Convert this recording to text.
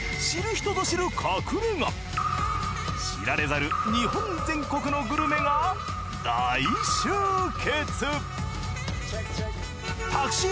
知られざる日本全国のグルメが大集結。